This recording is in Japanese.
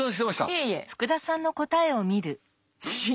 いえいえ。